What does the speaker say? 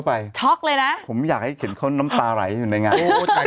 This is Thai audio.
ผมอยากให้เขาเห็นน้ำตาไหลอยู่ในงาน